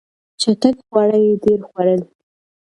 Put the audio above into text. چټک خواړه یې ډېر خوړل.